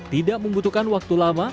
tidak membutuhkan waktu lama